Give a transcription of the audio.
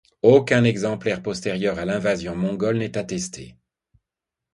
Aucun exemplaire postérieur à l'invasion mongole n'est attesté.